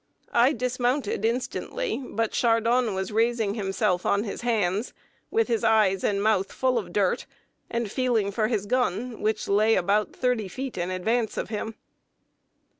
I dismounted instantly, but Chardon was raising himself on his hands, with his eyes and mouth full of dirt, and feeling for his gun, which lay about 30 feet in advance of him.